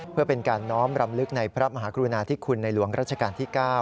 เพื่อเป็นการน้อมรำลึกในพระมหากรุณาธิคุณในหลวงรัชกาลที่๙